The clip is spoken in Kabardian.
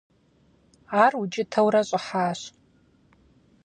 Ар укӀытэурэ щӀыхьащ.